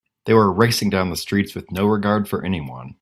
They were racing down the streets with no regard for anyone.